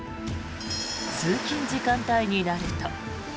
通勤時間帯になると。